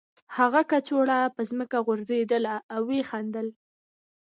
هغه کڅوړه په ځمکه وغورځوله او ویې خندل